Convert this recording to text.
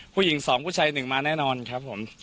ผู้หญิงสองผู้ชายหนึ่งมาแน่นอนครับผม